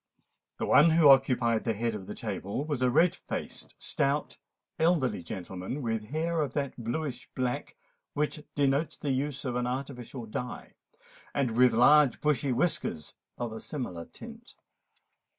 The one who occupied the head of the table was a red faced, stout, elderly gentleman, with hair of that blueish black which denotes the use of an artificial dye, and with large bushy whiskers of a similar tint.